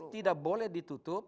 tidak boleh ditutup